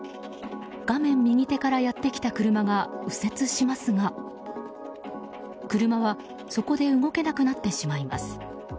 画面右手からやってきた車が右折しますが車はそこで動けなくなってしまいます。